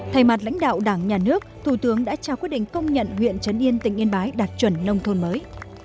thay mặt lãnh đạo đảng nhà nước thủ tướng đã trao quyết định công nhận huyện trấn yên tỉnh yên bái đạt chuẩn nông thôn mới